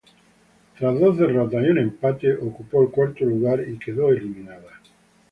Tras dos derrotas y un empate ocupó el cuarto lugar y quedó eliminada.